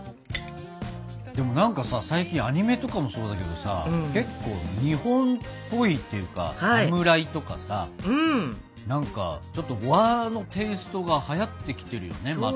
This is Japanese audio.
でも何かさ最近アニメとかもそうだけどさ結構日本っぽいっていうかサムライとかさ何かちょっと和のテーストがはやってきてるよねまた。